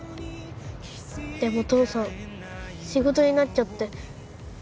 でも父さん仕事になっちゃって